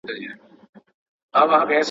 چي به واصل ومیخانې ته درومي